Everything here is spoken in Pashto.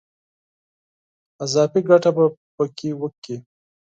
اضافي ګټه په کې وکړي.